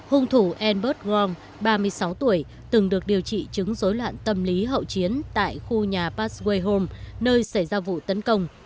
hung thủ albert wong ba mươi sáu tuổi từng được điều trị chứng rối loạn tâm lý hậu chiến tại khu nhà passway home nơi xảy ra vụ tấn công